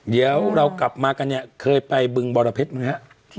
เดี๋ยวเรากลับมากันเนี่ยเคยไปบึงบอระเพศหรือยังครับ